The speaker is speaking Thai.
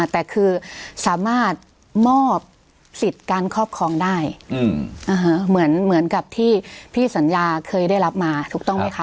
แต่คือสามารถมอบสิทธิ์การครอบครองได้เหมือนกับที่พี่สัญญาเคยได้รับมาถูกต้องไหมคะ